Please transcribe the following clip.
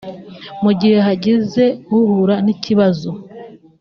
Mu gihe hagize uhura n’ikibazo